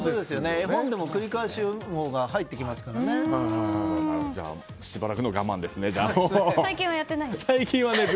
絵本でも繰り返し読むほうがしばらくの我慢ですね。